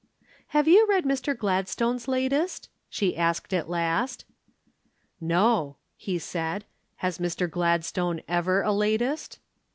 "Have you read Mr. Gladstone's latest?" she asked at last. "No," he said; "has Mr. Gladstone ever a latest?"